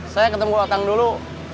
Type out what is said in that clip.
saya ketemu otang dulu